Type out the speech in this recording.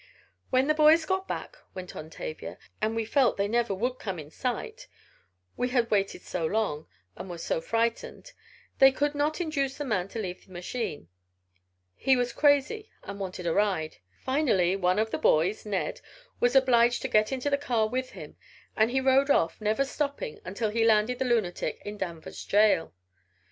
"When the boys got back," went on Tavia, "and we felt they never would come in sight, we had waited so long, and were so frightened, they could not induce the man to leave the machine. He was crazy and wanted a ride. Finally one of the boys, Ned, was obliged to get into the car with him and he rode off, never stopping until he landed the lunatic in Danvers jail!"